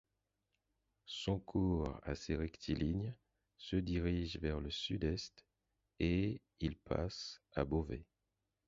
Son cours, assez rectiligne, se dirige vers le sud-est et il passe à Beauvais.